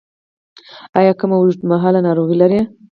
ایا کومه اوږدمهاله ناروغي لرئ؟